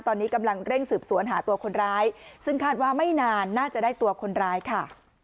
ตอนนี้กำลังเร่งสืบสวนหาตัวคนร้ายซึ่งคาดว่าไม่นานน่าจะได้ตัวคนร้ายค่ะ